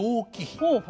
ほうほう。